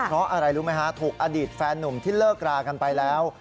เพราะอะไรรู้ไหมฮะถูกอดีตแฟนนุ่มที่เลิกรากันไปแล้ว